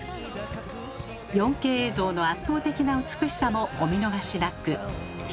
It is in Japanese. ４Ｋ映像の圧倒的な美しさもお見逃しなく。